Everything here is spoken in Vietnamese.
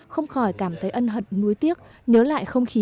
không khỏi cảm thấy ân hận núi tiếc nhớ lại không khí